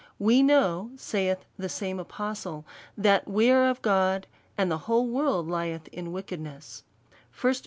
We know, saith the same apostle. That we are of God, and the whole world lieth in wickedness, ch.